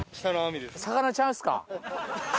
魚ちゃうんですか。